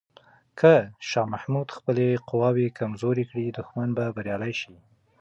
که شاه محمود خپلې قواوې کمزوري کړي، دښمن به بریالی شي.